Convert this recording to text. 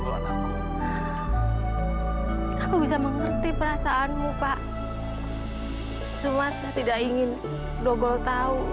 bu cepat pergi cepat pergi ke sana cepat